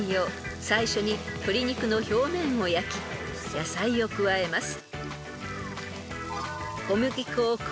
［野菜を加えます］